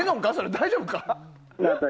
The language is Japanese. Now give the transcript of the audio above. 大丈夫か？